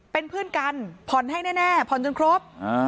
เป็นเพื่อนกันผ่อนให้แน่ผ่อนจนครบ